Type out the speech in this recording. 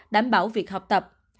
đảm bảo việc học tập